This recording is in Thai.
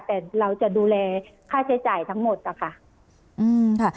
แต่เราจะดูแลค่าใช้จ่ายทั้งหมดนะคะ